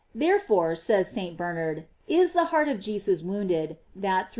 Therefore, says St. Bernard, is the heart of Jesus wounded that, through the * Isa.